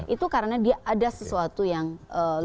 itu karena dia ada sesuatu yang luar biasa